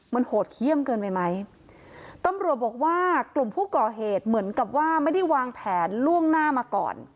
มันโหดเขี้ยมเกินไปไหมตำรวจบอกว่ากลุ่มผู้ก่อเหตุเหมือนกับว่าไม่ได้วางแผนล่วงหน้ามาก่อน